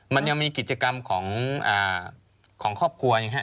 มันยังมีกิจกรรมของครอบครัวอย่างนี้ครับ